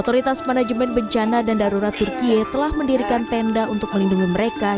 otoritas manajemen bencana dan darurat turkiye telah mendirikan tenda untuk melindungi mereka